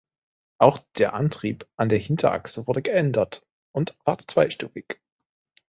Auch der Antrieb an der Hinterachse wurde geändert und war zweistufig.